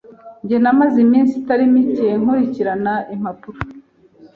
Njye namaze iminsi itari mike nkurikirana impapuro.